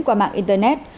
qua mạng internet